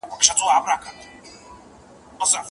اللَّهُمَّ اجْمَعَ بَيْنَنَا مَا جَمَعْتَ إِلَى خَيْرٍ.